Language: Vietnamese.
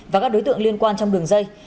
và các đối tượng liên quan trong đường dây